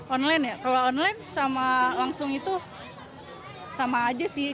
online ya kalau online sama langsung itu sama aja sih